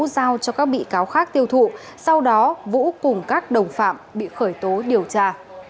giao cho các bị cáo khác tiêu thụ sau đó vũ cùng các đồng phạm bị khởi tố điều tra